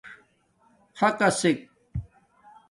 خَقَسک